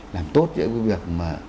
làm tốt những cái việc mà